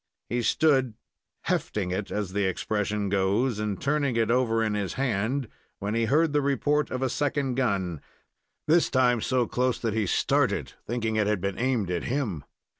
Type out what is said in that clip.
He stood "hefting" it, as the expression goes, and turning it over in his hand, when he heard the report of a second gun, this time so close that he started, thinking it had been aimed at him.